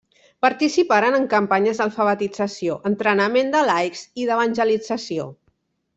Participaren en campanyes d'alfabetització, entrenament de laics i d'evangelització.